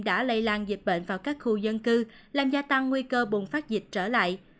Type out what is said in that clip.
đã lây lan dịch bệnh vào các khu dân cư làm gia tăng nguy cơ bùng phát dịch trở lại